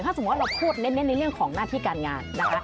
ถ้าสมมุติว่าเราพูดเน้นในเรื่องของหน้าที่การงานนะคะ